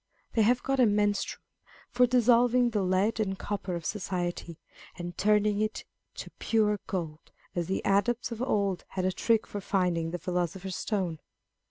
They have got a menstruum for dissolving the lead and copper of society, and turning it to pure gold, as the adepts of old had a trick for finding the philosophers stone.